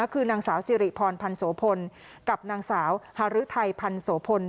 คือนางสาวสิริพรพรภัณฑโสพลกับนางสาวหรือภรรภัณฑ์ภรภรภน